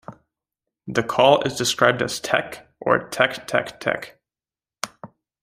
The call is described as "teck" or "tec, tec, tec".